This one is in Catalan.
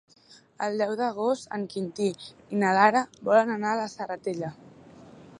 El deu d'agost en Quintí i na Lara volen anar a la Serratella.